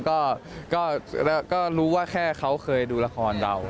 ก็รู้ว่าแค่เขาเคยดูละครเรา